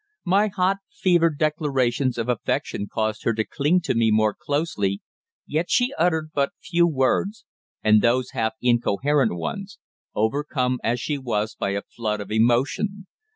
_ My hot, fevered declarations of affection caused her to cling to me more closely, yet she uttered but few words, and those half incoherent ones, overcome as she was by a flood of emotion.